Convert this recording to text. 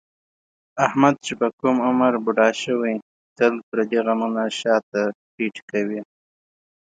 احمد چې په کوم عمر بوډا شوی، تل پردي غمونه شاته پېټی کوي.